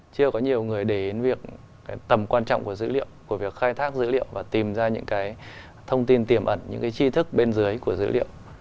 chưa có nhiều người để đến việc tầm quan trọng của dữ liệu của việc khai thác dữ liệu và tìm ra những cái thông tin tiềm ẩn những cái chi thức bên dưới của dữ liệu